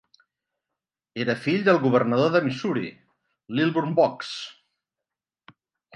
Era fill del governador de Missouri, Lilburn Boggs.